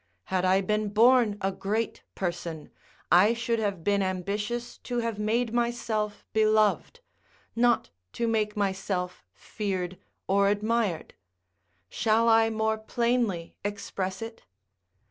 Had I been born a great person, I should have been ambitious to have made myself beloved, not to make myself feared or admired: shall I more plainly express it?